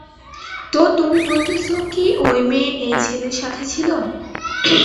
তো তুমি বলতেছো কি অই মেয়ে এই ছেলের সাথে ছিল?